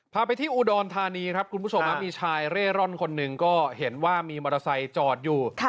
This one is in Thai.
พาไปที่อุดรธานีครับคุณผู้ชมมีชายเร่ร่อนคนหนึ่งก็เห็นว่ามีมอเตอร์ไซค์จอดอยู่